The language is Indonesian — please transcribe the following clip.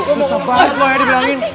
susah banget lah ya dibilangin